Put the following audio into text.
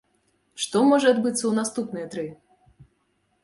Што можа адбыцца ў наступныя тры?